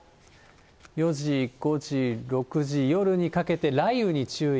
４時、５時、６時、夜にかけて雷雨に注意。